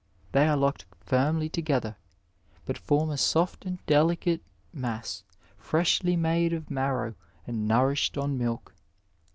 They are locked firmly together, but form a soft and deli cate mass freshly made of marrow and nourished on milk.